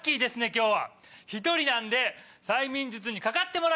今日１人なんで催眠術にかかってもらいます。